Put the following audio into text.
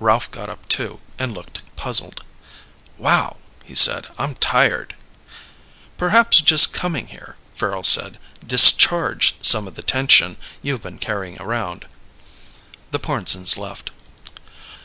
Ralph got up too, and looked puzzled. "Wow," he said. "I'm tired." "Perhaps just coming here," Farrel said, "discharged some of the tension you've been carrying around." The Pornsens left.